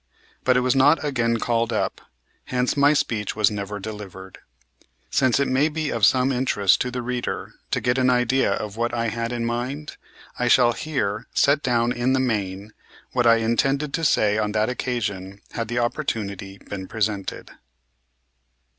But it was not again called up, hence my speech was never delivered. Since it may be of some interest to the reader to get an idea of what I had in mind, I shall here set down in the main what I intended to say on that occasion had the opportunity been presented.